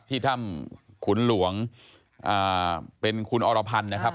ที่ถ้ำขุนหลวงเป็นคุณอรพันธ์นะครับ